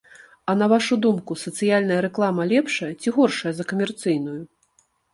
А на вашу думку, сацыяльная рэклама лепшая ці горшая за камерцыйную?